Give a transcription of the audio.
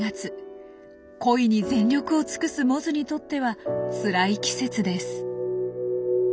恋に全力を尽くすモズにとってはつらい季節です。